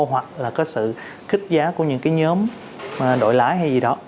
hoặc là có sự khích giá của những cái nhóm đội lái hay gì đó